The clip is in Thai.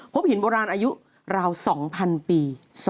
หินโบราณอายุราว๒๐๐ปี